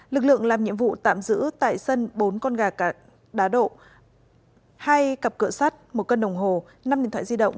lực lượng làm nhiệm vụ tạm giữ tại sân bốn con gà đá độ hai cặp cửa sắt một cân đồng hồ năm điện thoại di động